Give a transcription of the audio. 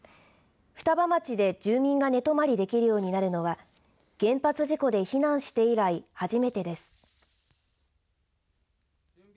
双葉町で住民が寝泊りできるようになるのは原発事故で避難して以来初めてです。